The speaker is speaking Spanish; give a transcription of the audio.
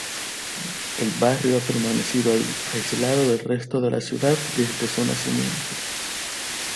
El barrio ha permanecido aislado del resto de la ciudad desde su nacimiento.